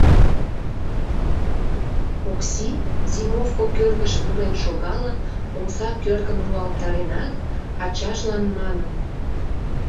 Окси, зимовко кӧргыш пурен шогалын, омса кӧргым руалтаренат, ачажлан манын: